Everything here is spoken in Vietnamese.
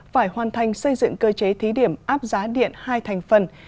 phải hoàn thành xây dựng cơ chế thí điểm áp giá điện hai thành phần